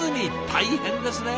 大変ですね。